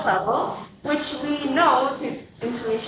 yang kita tahu intuisi